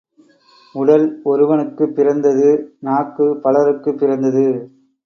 உடல் ஒருவனுக்கு பிறந்தது, நாக்கு பலருக்கு பிறந்தது.